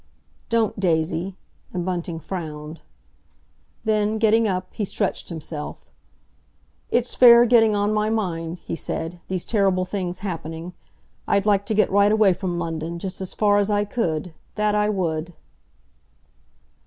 "Don't, Daisy!" and Bunting frowned. Then, getting up, he stretched himself. "It's fair getting on my mind," he said, "these horrible things happening. I'd like to get right away from London, just as far as I could—that I would!"